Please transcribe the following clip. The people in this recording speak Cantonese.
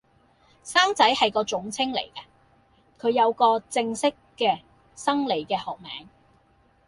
生仔係個總稱嚟噶，佢有個正式嘅、生理嘅學名